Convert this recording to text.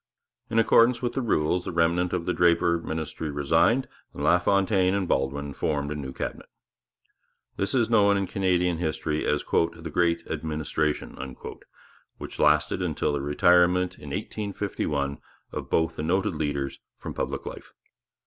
In accordance with the rules the remnant of the Draper ministry resigned, and LaFontaine and Baldwin formed a new Cabinet. This is known in Canadian history as the 'Great Administration,' which lasted until the retirement in 1851 of both the noted leaders from public life.